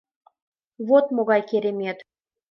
Вот могай керемет!»